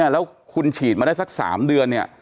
แล้วคุณฉี่ดมาได้สัก๓เดือน